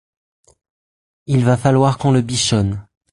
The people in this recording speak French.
il va falloir qu'on le bichonne.